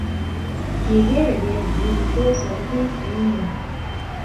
Kigeeregei Kuni toos soor biik eng ngweny